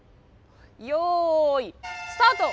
よいスタート！